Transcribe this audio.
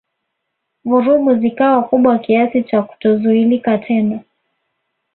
Vurugu zikawa kubwa kiasi cha kutozuilika tena